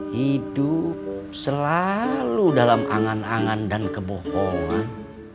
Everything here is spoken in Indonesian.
hidup selalu dalam angan angan dan kebohongan